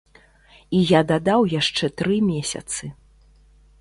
І я дадаў яшчэ тры месяцы.